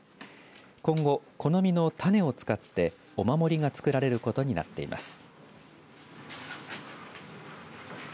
今後、この実の種を使ってお守りが作られることになっています。